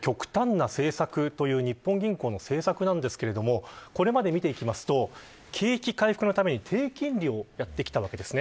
その極端な政策という日本銀行の政策なんですがこれまで見ていきますと景気回復のために低金利をやってきたわけですね。